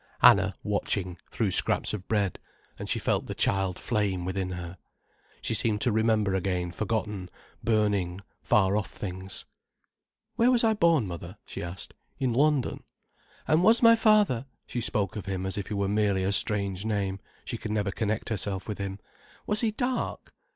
Anna, watching, threw scraps of bread, and she felt the child flame within her. She seemed to remember again forgotten, burning, far off things. "Where was I born, mother?" she asked. "In London." "And was my father"—she spoke of him as if he were merely a strange name: she could never connect herself with him—"was he dark?"